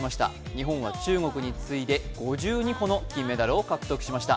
日本は中国に次いで５２個の金メダルを獲得しました。